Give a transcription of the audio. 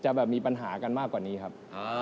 แบบมีปัญหากันมากกว่านี้ครับ